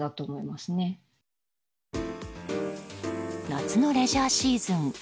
夏のレジャーシーズン